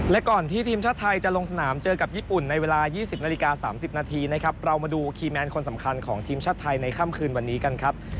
และก่อนที่ทีมชาติไทยจะลงสนามเจอกับญี่ปุ่นในเวลา๒๐นาฬิกา๓๐นาทีนะครับเรามาดูคีย์แมนคนสำคัญของทีมชาติไทยในค่ำคืนวันนี้กันครับ